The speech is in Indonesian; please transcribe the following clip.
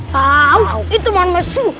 tau itu mana su